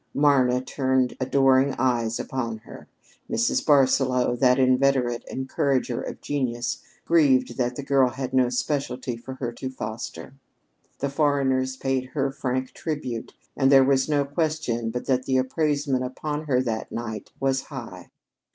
Marna turned adoring eyes upon her; Mrs. Barsaloux, that inveterate encourager of genius, grieved that the girl had no specialty for her to foster; the foreigners paid her frank tribute, and there was no question but that the appraisement upon her that night was high.